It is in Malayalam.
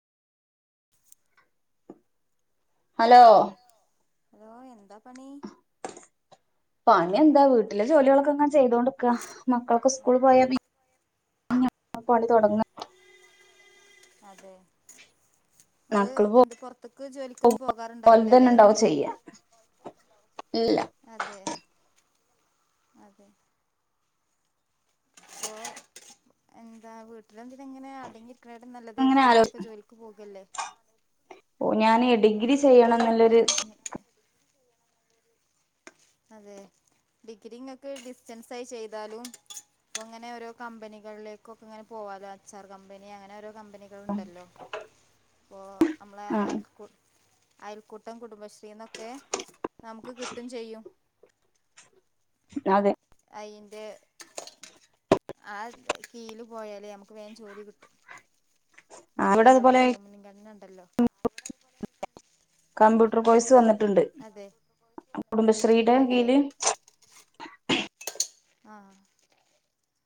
[inaudible] ഹലോ ഹലോ എന്താ പണി? പണി എന്താ വീട്ടിലെ ജോലികളൊക്കെ ഇങ്ങനെ ചെയ്തോണ്ട്ക്കാ മക്കളൊക്കെ സ്കൂൾ പോയാ പി പണി തുടങ്ങ അതെ നിങ്ങള് മക്കള് പോ എന്താ പുറത്ത്ക്ക് ജോലി ക്കൊന്നും ഓൽതന്നെ പോകാറുണ്ടാവില്ലല്ലേ ഉണ്ടാവും ചെയ്യാ ഇല്ല അതെ അതെ ഓ എന്താ വിട്ട് ഇങ്ങളന്തിനാങ്ങനെ അടങ്ങിയിര്ക്ക്‌ണേക്കാട്ടിലും നല്ലത് അങ്ങനെ എവിട്ക്കെങ്കിലൊക്കെ ആലോചി ജോലിക്ക് പോകല്ലേ. ഞാന് അതെ ഡിഗ്രി ചെയ്യണം എന്നുള്ളൊരു പോഞ്ഞിപ്പം അതെ ഡിഗ്രിങ്ങക്ക് ഡിസ്റ്റൻസ് ആയി ചെയ്താലും അപ്പൊ ങ്ങനെ ഓരോ കമ്പനികളിലേക്കൊക്കെ ഇങ്ങനെ പോവാലോ അച്ചാർ കമ്പനി അങ്ങനെ ഒരോ കമ്പനികൾ ഉണ്ടല്ലോ പ്പോ അമ്മളെ ആ അയൽക്കൂട്ട അയൽക്കൂട്ടം കുടുംബശ്രീ ന്നൊക്കെ നമുക്ക് കിട്ടും ചെയ്യും അതെ അയിന്റെ ആ കീഴില് പോയാല് നമുക്ക് വേം ജോലി കിട്ടും അവിടെ അതുപോലെ വനിതകൾക്കെ മുൻഗണന ഇണ്ടല്ലോ കമ്പ്യൂട്ടർ കോഴ്സ് വന്നിട്ടുണ്ട് അതെ കുടുംബശ്രീടെ അതെ കീയില് ആ